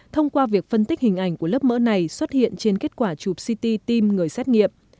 thông qua việc phân tích hình ảnh của lớp mỡ này xuất hiện trên kết quả chụp ct tim người xét nghiệm